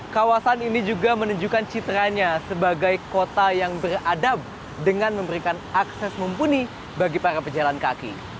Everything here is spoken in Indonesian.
kawasan ini juga menunjukkan citranya sebagai kota yang beradab dengan memberikan akses mumpuni bagi para pejalan kaki